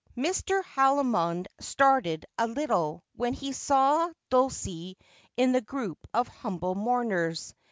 Mr. Haldimond started a little when he saw Dulcie in the group of humble mourners.